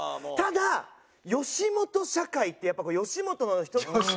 ただ吉本社会ってやっぱ吉本の人と。